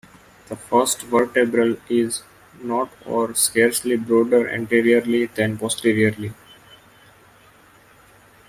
The first vertebral is not or scarcely broader anteriorly than posteriorly.